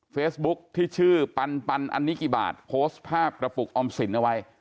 เฟซบุ๊คที่ชื่อปันปันอันนี้กี่บาทโพสต์ภาพกระปุกออมสินเอาไว้